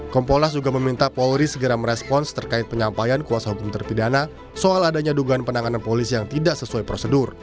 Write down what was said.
kompolnas juga meminta polri segera merespons terkait penyampaian kuasa hukum terpidana soal adanya dugaan penanganan polis yang tidak sesuai prosedur